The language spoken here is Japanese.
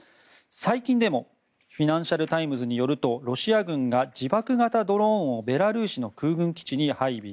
最近でもフィナンシャル・タイムズによるとロシア軍が自爆型ドローンをベラルーシの空軍基地に配備。